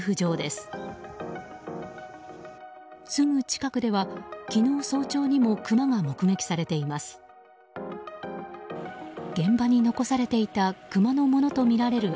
すぐ近くでは、昨日早朝にもクマが目撃されています。